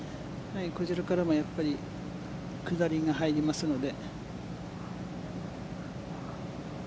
こちらからも下りが入りますので。